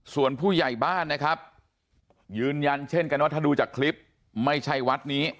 ส่วนผู้ใหญ่บ้านนะครับยืนยันเช่นกันว่าถ้าดูจากคลิปไม่ใช่วัดนี้